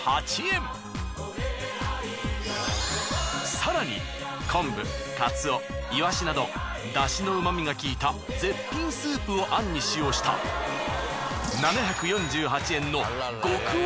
更に昆布カツオイワシなど出汁の旨みがきいた絶品スープを餡に使用した７４８円の極王